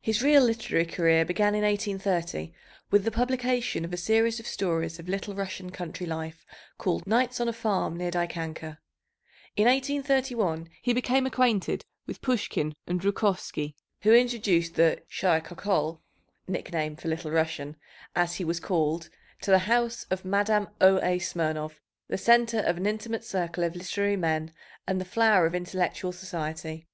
His real literary career began in 1830 with the publication of a series of stories of Little Russian country life called Nights on a Farm near Dikanka. In 1831 he became acquainted with Pushkin and Zhukovsky, who introduced the "shy Khokhol" (nickname for "Little Russian"), as he was called, to the house of Madame O. A. Smirnov, the centre of "an intimate circle of literary men and the flower of intellectual society."